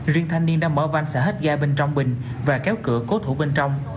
riêng thanh niên đã mở vanh xả hét ga bên trong bình và kéo cửa cố thủ bên trong